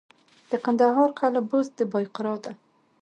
د کندهار قلعه بست د بایقرا ده